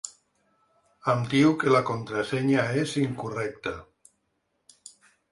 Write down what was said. Em diu que la contrasenya és incorrecta.